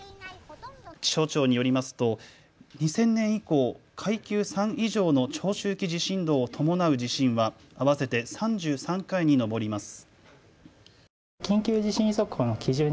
気象庁によりますと２０００年以降、階級３以上の長周期地震動を伴う地震は合わせて３３回に上ります。